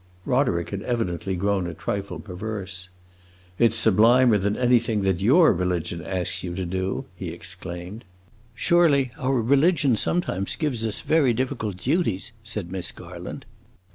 Roderick had evidently grown a trifle perverse. "It 's sublimer than anything that your religion asks you to do!" he exclaimed. "Surely our religion sometimes gives us very difficult duties," said Miss Garland.